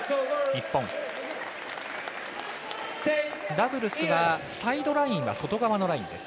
ダブルスはサイドラインは外側のラインです。